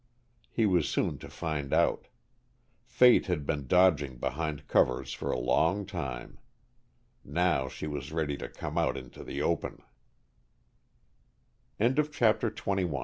He was soon to find out. Fate had been dodging behind covers for a long time. Now she was ready to come out into the open. CHAPTER XXII Although it w